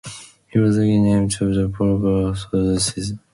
He was again named to the Pro Bowl after the season.